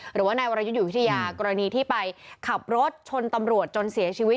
หรือว่านายวรยุทธ์อยู่วิทยากรณีที่ไปขับรถชนตำรวจจนเสียชีวิต